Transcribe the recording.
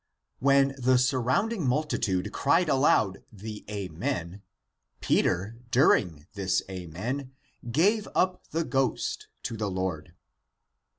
(11) When the surrounding multitude cried aloud ^2^ the Amen, Peter, during this Amen, gave up his ghost to the Lord.